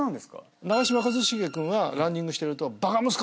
長嶋一茂君はランニングしてると「バカ息子！」